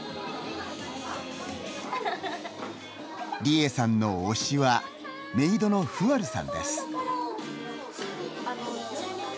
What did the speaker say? リエさんの推しはメイドのふわるさんです。